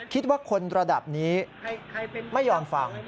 คิดว่าคนระดับนี้ไม่ยอมฟัง